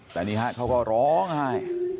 แต่นี่ฮะเขาก็ร้องไห้